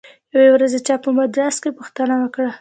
یوې ورځې چا په مجلس کې پوښتنه وکړه.